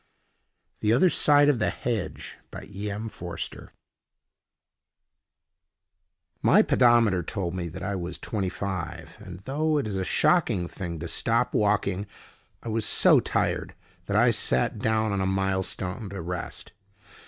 THE OTHER SIDE OF THE HEDGE My pedometer told me that I was twenty five; and, though it is a shocking thing to stop walking, I was so tired that I sat down on a milestone to rest.